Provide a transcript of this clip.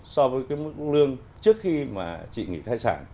so với mức lương trước khi chị nghỉ thai sản